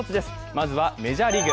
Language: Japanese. まずはメジャーリーグ。